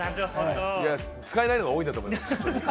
使えないのが多いんだと思います。